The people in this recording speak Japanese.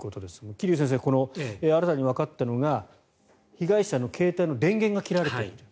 桐生先生、新たにわかったのが被害者の携帯の電源が切られていたという。